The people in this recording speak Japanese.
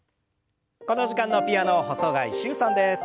この時間のピアノ細貝柊さんです。